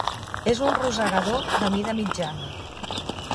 És un rosegador de mida mitjana.